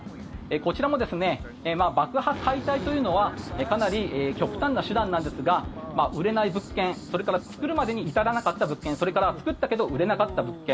こちらも爆破解体というのはかなり極端な手段なんですが売れない物件、それから作るまでに至らなかった物件それから作ったけど売れなかった物件